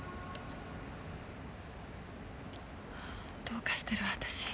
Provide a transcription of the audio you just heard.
どうかしてるわ私。